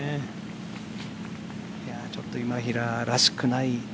ちょっと今平らしくない。